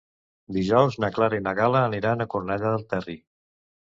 Dijous na Clara i na Gal·la aniran a Cornellà del Terri.